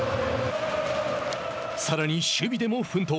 さらに守備でも奮闘。